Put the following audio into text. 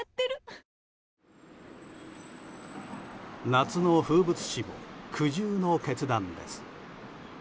夏の風物詩で苦渋の決断です。